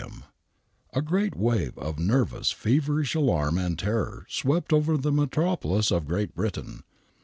32 THE WHITECHAPEL MURDERS A great wave of nervous, feverish alarm and terror swept over the metropolis of Great Britain.